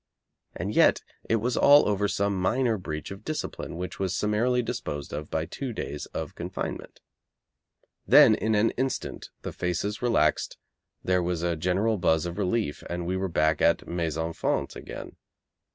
And yet it was all over some minor breach of discipline which was summarily disposed of by two days of confinement. Then in an instant the faces relaxed, there was a general buzz of relief and we were back at 'Mes enfants' again.